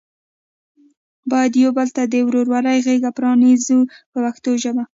باید یو بل ته د ورورۍ غېږه پرانیزو په پښتو ژبه.